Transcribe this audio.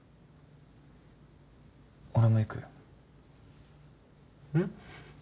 俺も行くうん？